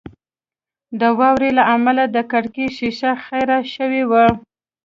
د واورې له امله د کړکۍ شیشه خیره شوې وه